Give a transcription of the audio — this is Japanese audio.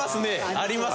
あります！